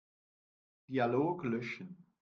Dialog löschen.